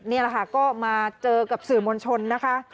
นี่แหละค่ะก็มาเจอกับสื่อมวลชนนะคะ